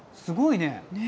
すごいね。